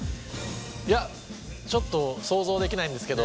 いやちょっと想像できないんですけど。